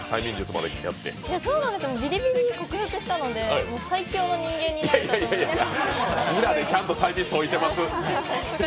ビリビリ克服したので最強の人間になったと思います。